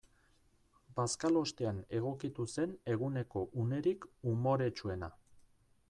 Bazkalostean egokitu zen eguneko unerik umoretsuena.